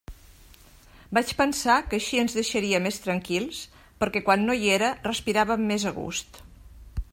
Vaig pensar que així ens deixaria més tranquils, perquè quan no hi era respiràvem més a gust.